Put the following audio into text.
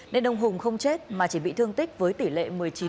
nên ông hùng không chết mà chỉ bị thương tích với tỷ lệ một mươi chín